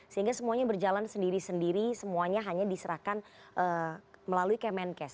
sehingga semuanya berjalan sendiri sendiri semuanya hanya diserahkan melalui kemenkes